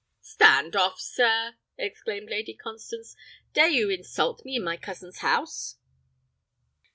"Stand off, sir!" exclaimed Lady Constance. "Dare you insult me in my cousin's house?"